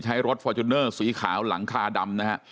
ใช้รถฟอร์จูเนอร์สีขาวหลังคาดำนะฮะ